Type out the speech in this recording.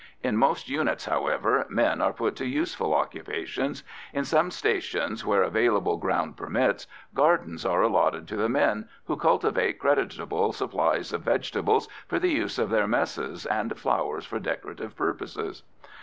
In most units, however, men are put to useful occupations; in some stations where available ground admits, gardens are allotted to the men, who cultivate creditable supplies of vegetables for the use of their messes and flowers for decorative purposes.